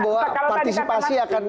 bahwa partisipasi akan